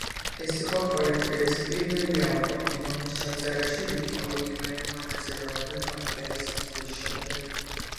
ეს იყო კოლექტივის პირველი ალბომი, რომლის ჩაწერაში რიკ უეიკმენი მონაწილეობდა, ტონი კეის წასვლის შემდეგ.